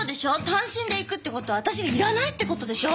単身で行くって事は私がいらないって事でしょ？